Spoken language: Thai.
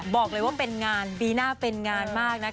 บอกเลยว่าเป็นงานปีหน้าเป็นงานมากนะคะ